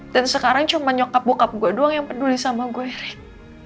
dan sekarang cuma nyokap bokap gue doang yang peduli sama gue rik